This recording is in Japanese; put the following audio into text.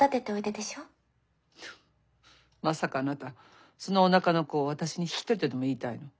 まさかあなたそのおなかの子を私に引き取れとでも言いたいの？